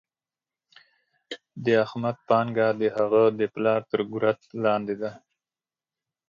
د احمد پانګه د هغه د پلار تر ګورت لاندې ده.